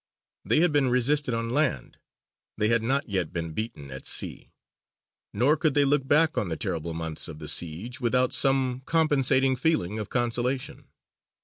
They had been resisted on land; they had not yet been beaten at sea. Nor could they look back on the terrible months of the siege without some compensating feeling of consolation.